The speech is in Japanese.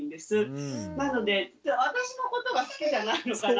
なので私のことが好きじゃないのかな。